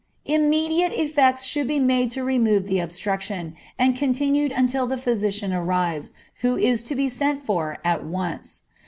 Immediate effects should be made to remove the obstruction, and continued until the physician arrives, who is to be sent for at once.